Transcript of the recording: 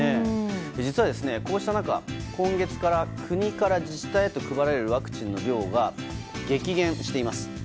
実は、こうした中今月から国から自治体へと配られるワクチンの量が激減しています。